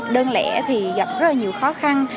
đơn lẻ thì gặp rất là nhiều khó khăn